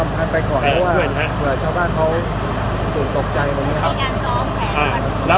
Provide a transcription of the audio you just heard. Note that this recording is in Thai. เราไปขอให้ก่อนนะเผื่อชาวบ้านครับเขาถูกตกใจ